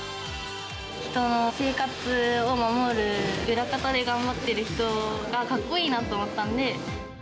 人の生活を守る、裏方で頑張ってる人がかっこいいなと思ったんで。